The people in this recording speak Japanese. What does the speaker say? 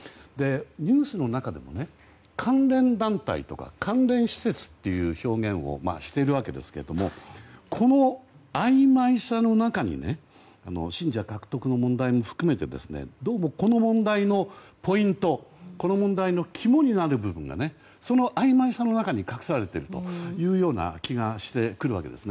ニュースの中でも関連団体とか関連施設という表現をしているわけですけどこのあいまいさの中に信者獲得の問題も含めてどうもこの問題のポイント肝になる部分がそのあいまいさの中に隠されているというような気がしてくるわけです。